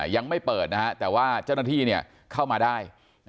ยังไม่เปิดนะฮะแต่ว่าเจ้าหน้าที่เข้ามาได้